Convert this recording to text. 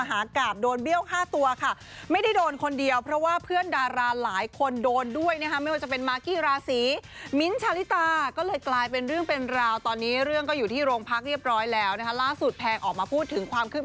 หรือว่าคุณแพงจะปรี๊ดหรือเปล่าไปฟังค่ะ